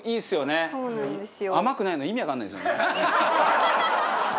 奈緒：そうなんですよ。